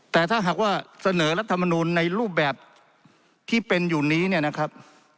แต่ถ้าหากว่าเสนอรัฐมนูลในรูปแบบที่เป็นอยู่นี้เนี่ยนะครับ